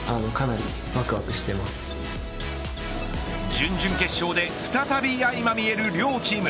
準々決勝で再びあいまみえる両チーム。